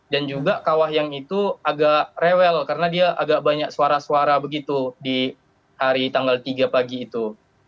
dan juga kawah yang itu agak rewel karena dia agak banyak suara suara begitu di hari tanggal tiga pagi itu